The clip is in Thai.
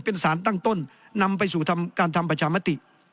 เป็นสารตั้งต้นนำไปสู่การทำประชามติ